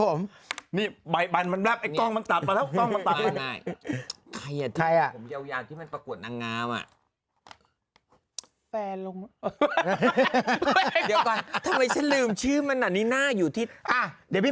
ผมมันมาแล้วมาได้เอ่นเลงชื่อมันอาจมีหน้าอยู่ติดนี่ให้พี่